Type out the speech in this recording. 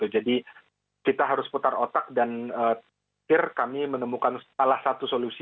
jadi kita harus putar otak dan akhirnya kami menemukan salah satu solusi